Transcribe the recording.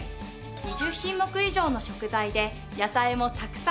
２０品目以上の食材で野菜もたくさん。